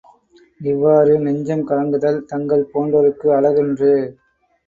இவ்வாறு நெஞ்சம் கலங்குதல் தங்கள் போன்றோர்க்கு அழகன்று.